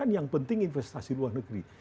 yang penting investasi luar negeri